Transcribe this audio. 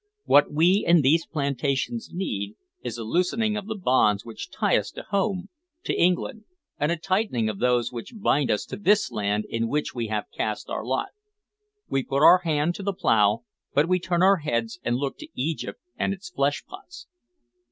What we in these plantations need is a loosening of the bonds which tie us to home, to England, and a tightening of those which bind us to this land in which we have cast our lot. We put our hand to the plough, but we turn our heads and look to our Egypt and its fleshpots.